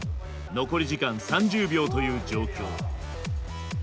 残り時間３０秒という状況。